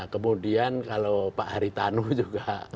kemudian kalau pak haritanu juga